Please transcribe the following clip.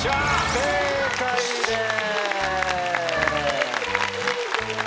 正解です。